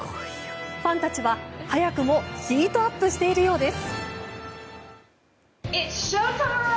ファンたちは早くもヒートアップしているようです！